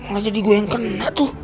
gak jadi gue yang kena tuh